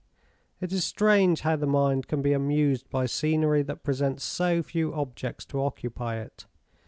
It is strange how the mind can be amused by scenery that presents so few objects to occupy it.